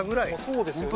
そうですよね。